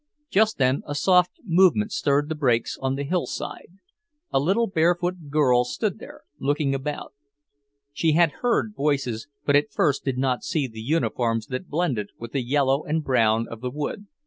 Just then a soft movement stirred the brakes on the hillside. A little barefoot girl stood there, looking about. She had heard voices, but at first did not see the uniforms that blended with the yellow and brown of the wood.